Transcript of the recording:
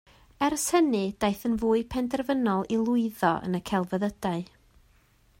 Ers hynny daeth yn fwy penderfynol i lwyddo yn y celfyddydau